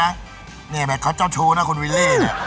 เนี่ยแบบเขาเจ้าชูนะคุณวิลลี่เนี่ย